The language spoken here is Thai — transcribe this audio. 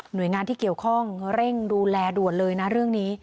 โดยงานที่เกี่ยวข้องเร่งดูแลด่วนเลยนะเรื่องนี้